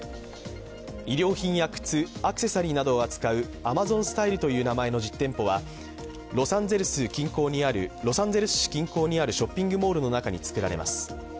医療品や靴、アクセサリーなどを扱うアマゾン・スタイルという名前の実店舗はロサンゼルス市近郊にあるショッピングモールの中に作られます。